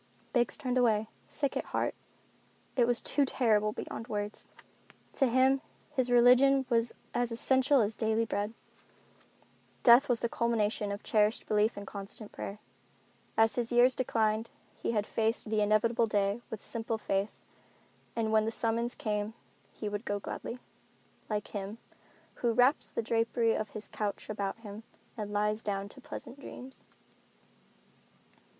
Biggs turned away, sick at heart. It was too terrible beyond words. To him his religion was as essential as daily bread. Death was the culmination of cherished belief and constant prayer. As his years declined he had faced the inevitable day with simple faith that when the summons came he would go gladly, like him "who wraps the drapery of his couch about him and lies down to pleasant dreams."